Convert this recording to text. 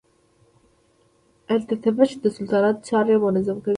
التتمش د سلطنت چارې منظمې کړې.